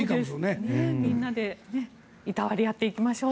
みんなでいたわり合っていきましょう。